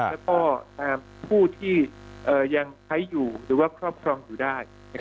แล้วก็ผู้ที่ยังใช้อยู่หรือว่าครอบครองอยู่ได้